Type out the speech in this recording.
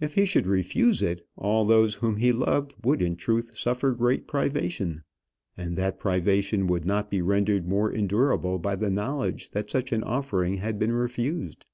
If he should refuse it, all those whom he loved would in truth suffer great privation; and that privation would not be rendered more endurable by the knowledge that such an offer had been refused.